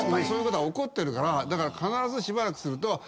そういうことが起こってるから必ずしばらくすると。